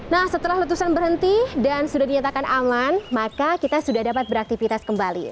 nah setelah letusan berhenti dan sudah dinyatakan aman maka kita sudah dapat beraktivitas kembali